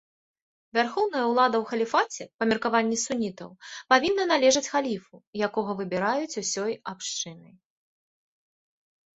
Вярхоўная ўлада ў халіфаце, па меркаванні сунітаў, павінна належаць халіфу, якога выбіраюць ўсёй абшчынай.